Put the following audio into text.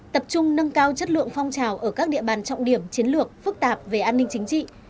tập trung nâng cao chất lượng phong trào ở các địa bàn trọng điểm chiến lược phức tạp về an ninh chính trị